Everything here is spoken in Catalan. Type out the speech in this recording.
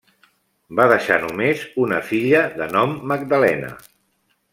Va deixar només una filla de nom Magdalena.